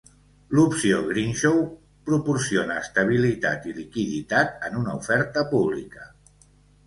L'opció greenshoe proporciona estabilitat i liquiditat en una oferta pública.